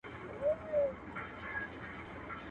روغ دې وزرونه پانوسونو ته به څه وایو.